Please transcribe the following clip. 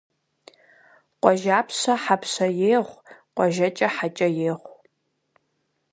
Къуажапщэ хьэпщэ егъу, къуажэкӀэ хьэкӀэ егъу.